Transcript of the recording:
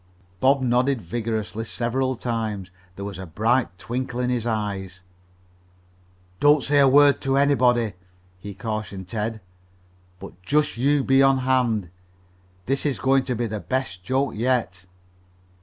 Bob nodded vigorously several times. There was a bright twinkle in his eyes. "Don't say a word to anybody," he cautioned Ted, "but just you be on hand. This is going to be the best joke yet."